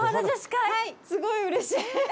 すごいうれしい。